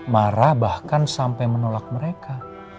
marah bahkan sampai menolak mereka